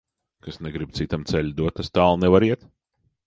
Kas negrib citam ceļu dot, tas tālu nevar iet.